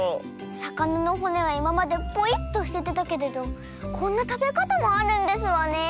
さかなのほねはいままでポイっとすててたけれどこんなたべかたもあるんですわね。